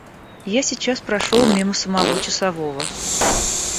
Я сейчас прошел мимо самого часового.